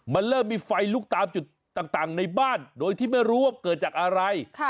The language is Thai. มันเริ่มมีไฟลุกตามจุดต่างในบ้านโดยที่ไม่รู้ว่าเกิดจากอะไร